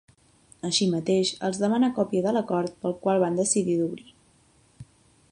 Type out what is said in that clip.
Així mateix, els demana còpia de l’acord pel qual van decidir d’obrir.